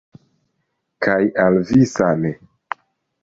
Kaj al vi same.